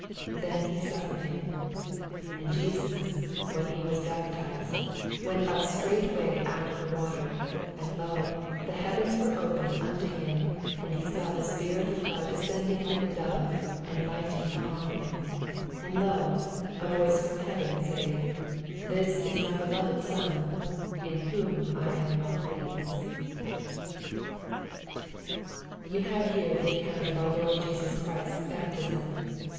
Then he suffered him. 16 And Jesus, when he was baptized, went up straightway out of the water : and, lo, the heavens were opened unto him, and he saw the Spirit of God descending like a dove, and lighting upon him : 17 And lo, a voice from heaven, saying, This is my beloved Son, in whom I am well pleased. You have here the account of our Lord Jesus Christ's baptism.